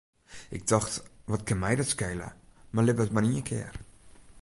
Ik tocht, wat kin my dat skele, men libbet mar ien kear.